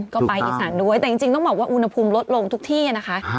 ก็ไปอีสานด้วยแต่จริงต้องบอกว่าอุณหภูมิลดลงทุกที่นะคะ